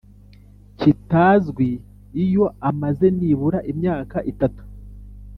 kitazwi iyo amaze n’ibura imyaka itatu